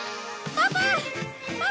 パパ！